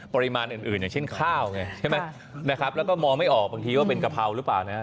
ปริมาณอื่นอย่างเช่นข้าวไงใช่ไหมนะครับแล้วก็มองไม่ออกบางทีว่าเป็นกะเพราหรือเปล่านะฮะ